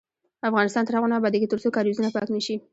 افغانستان تر هغو نه ابادیږي، ترڅو کاریزونه پاک نشي.